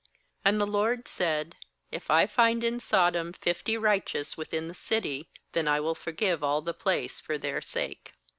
26And the LOBD said: 'If I find in Sodom fifty righteous within the city, then I will forgive all the place for their sake.'